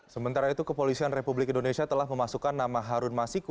sementara itu kepolisian republik indonesia telah memasukkan nama harun masiku